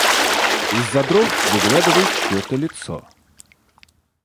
Из-за дров выглядывает чьё-то лицо.